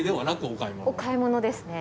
お買い物ですね。